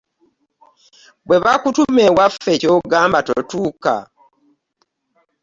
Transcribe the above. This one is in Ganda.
Bwe bakutuma ewaffe ky'ogamba totuuka?